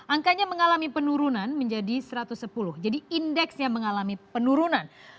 angkanya mengalami penurunan menjadi satu ratus sepuluh jadi indeksnya mengalami penurunan